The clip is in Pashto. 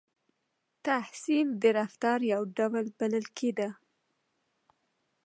• تحصیل د رفتار یو ډول بلل کېده.